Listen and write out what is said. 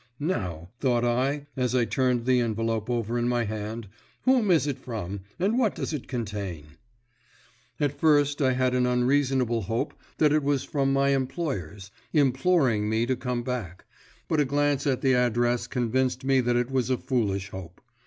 "Now," thought I, as I turned the envelope over in my hand, "whom is it from, and what does it contain?" At first I had an unreasonable hope that it was from my employers, imploring me to come back, but a glance at the address convinced me that it was a foolish hope.